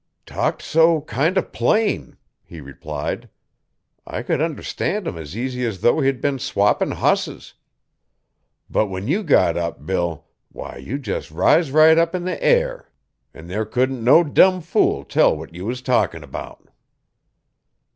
'Talked so kind of plain,' he replied. 'I could understan' him as easy as though he'd been swappin' hosses. But when you got up, Bill'. Why, you jes' riz right up in the air an' there couldn't no dum fool tell what you was talkin' 'bout.'